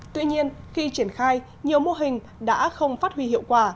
tuy nhiên khi triển khai nhiều mô hình đã không phát huy hiệu quả